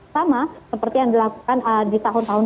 sama seperti yang dilakukan di tahun tahun